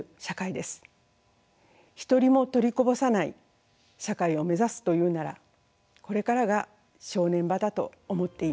一人も取りこぼさない社会を目指すというならこれからが正念場だと思っています。